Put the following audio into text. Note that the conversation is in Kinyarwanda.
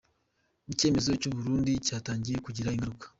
Icyemezo cy’u Burundi cyatangiye kugira ingaruka .